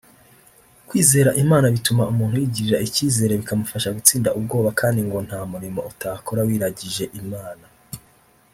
kwizera Imana bituma umuntu yigirira icyizere bikamufasha gutsinda ubwoba kandi ngo nta murimo utakora wiragije Imana